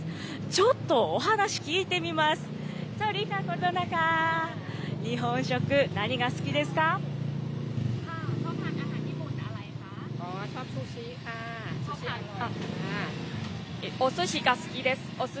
ちょっとお話聞いてみます。